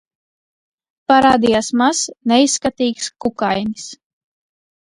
Parādījās mazs, neizskatīgs kukainis.